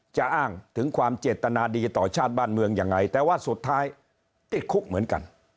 จะอ้างถึงความเจตนาดีต่อชาติบ้านเมืองยังไงแต่ว่าสุดท้ายติดคุกเหมือนกัน